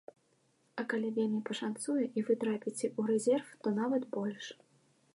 А калі вельмі пашанцуе і вы трапіце ў рэзерв, то нават больш.